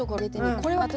これはね